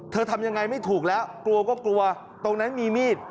ทำยังไงไม่ถูกแล้วกลัวก็กลัวตรงนั้นมีมีด